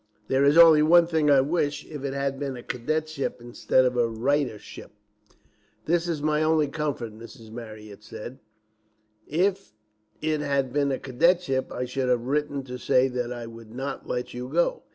"There is only one thing. I wish it had been a cadetship, instead of a writership." "That is my only comfort," Mrs. Marryat said. "If it had been a cadetship, I should have written to say that I would not let you go.